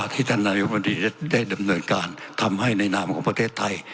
ที่ท่านนายกรมตรีได้ดำเนินการทำให้ในนามของประเทศไทย